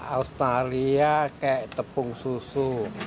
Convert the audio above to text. aosnariah kayak tepung susu